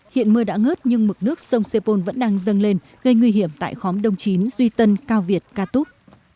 hiện mưa đã ngớt nhưng mực nước sông sepol vẫn đang dâng lên gây nguy hiểm tại khóm đông chín duy tân cao việt ca túc